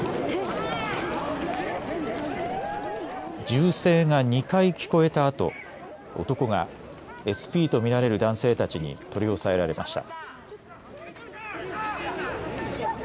銃声が２回聞こえたあと男がＳＰとみられる男性たちに取り押さえられました。